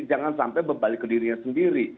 jangan sampai berbalik ke dirinya sendiri